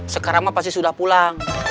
sekarang mah pasti sudah pulang